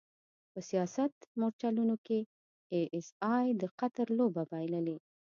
په سیاست مورچلونو کې ای ایس ای د قطر لوبه بایللې.